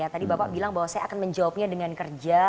tadi bapak bilang bahwa saya akan menjawabnya dengan kerja